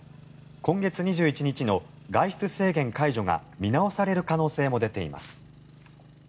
今月２１日の外出制限解除が見直される可能性も出ています。